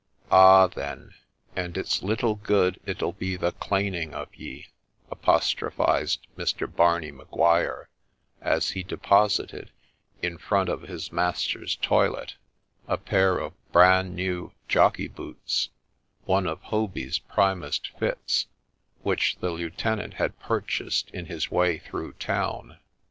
' Ah ! then, and it 's little good it'll be the claning of ye,' apostrophized Mr. Barney Maguire, as he deposited, in front of his master's toilet, a pair of ' bran new ' jockey boots, one of Hoby's primest fits, which the lieutenant had purchased in his way through town.